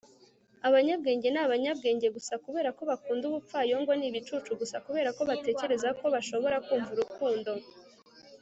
abanyabwenge ni abanyabwenge gusa kubera ko bakunda umupfayongo ni ibicucu gusa kubera ko batekereza ko bashobora kumva urukundo